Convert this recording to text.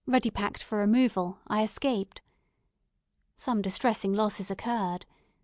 ready packed for removal, I escaped. Some distressing losses occurred.